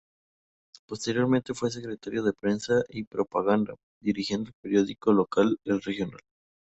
Posteriormente, fue Secretario de Prensa y Propaganda, dirigiendo el periódico local "El Regional".